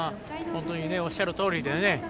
本当におっしゃるとおりで。